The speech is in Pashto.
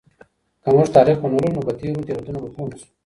که موږ تاریخ ونه لولو نو په تېرو تېروتنو به پوه نسو.